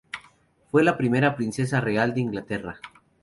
Fue la primera princesa real de Inglaterra.